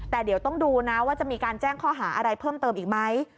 แต่เดี๋ยวต้องดูนะว่าจะมีการแจ้งข้อหาอะไรเพิ่มเติมอีกไหม